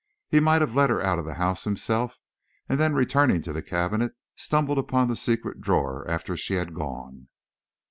He might have let her out of the house himself, and then, returning to the cabinet, stumbled upon the secret drawer after she had gone."